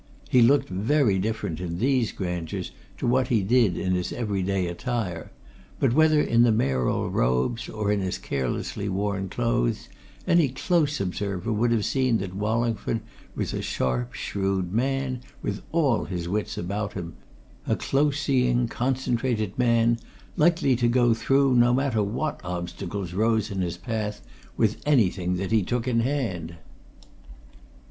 He looked very different in these grandeurs to what he did in his everyday attire, but whether in the Mayoral robes or in his carelessly worn clothes any close observer would have seen that Wallingford was a sharp, shrewd man with all his wits about him a close seeing, concentrated man, likely to go through, no matter what obstacles rose in his path, with anything that he took in hand.